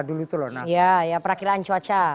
dulu itu loh iya perakilan cuaca